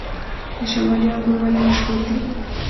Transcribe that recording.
د شمالي انګور ولې مشهور دي؟